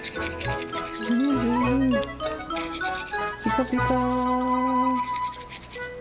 ピカピカー。